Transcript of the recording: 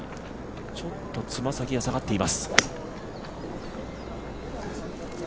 ちょっと爪先が下がっています。